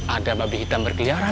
ada babi hitam berkeliaran